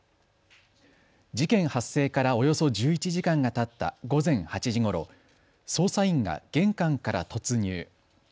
事件発生からおよそ１１時間がたった午前８時ごろ、捜査員が玄関から突入。